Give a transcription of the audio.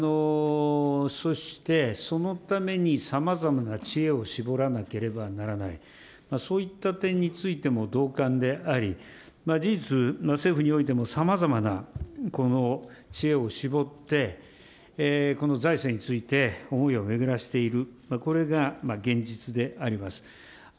そして、そのためにさまざまな知恵を絞らなければならない、そういった点についても同感であり、事実、今、政府においてもさまざまなこの知恵を絞って、この財政について思いを巡らせている、これが現実であります。